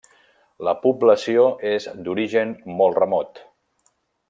La població és d'origen molt remot.